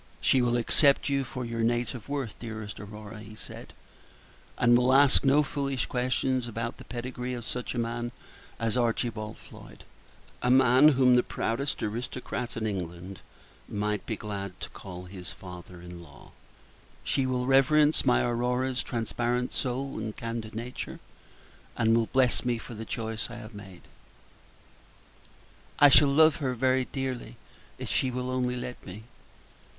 "She will accept you for your native worth, dearest Aurora," he said, "and will ask no foolish questions about the pedigree of such a man as Archibald Floyd a man whom the proudest aristocrat in England might be glad to call his father in law. She will reverence my Aurora's transparent soul and candid nature, and will bless me for the choice I have made." "I shall love her very dearly if she will only let me.